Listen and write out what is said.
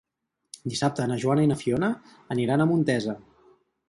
Dissabte na Joana i na Fiona aniran a Montesa.